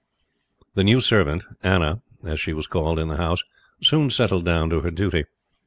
The new servant, Anna, as she was called in the house soon settled down to her duty.